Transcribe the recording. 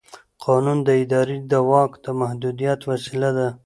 قانون د ادارې د واک د محدودیت وسیله ده.